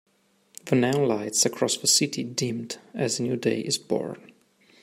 The neon lights across the city dimmed as a new day is born.